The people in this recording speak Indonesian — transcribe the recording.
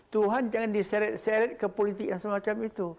tuhan jangan diseret seret ke politik yang semacam itu